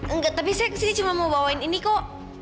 enggak tapi saya kesini cuma mau bawain ini kok